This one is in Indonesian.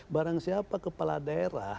barang siapa kepala daerah